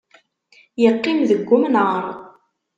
Yeqqim deg umnaṛ.